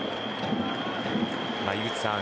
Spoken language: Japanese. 井口さん